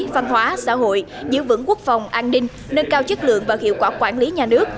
văn hóa xã hội giữ vững quốc phòng an ninh nâng cao chất lượng và hiệu quả quản lý nhà nước